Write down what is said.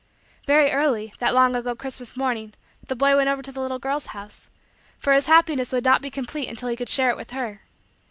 Very early, that long ago Christmas morning, the boy went over to the little girl's house; for his happiness would not be complete until he could share it with her.